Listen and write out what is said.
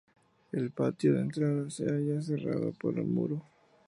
El patio de entrada se halla cerrado por un muro.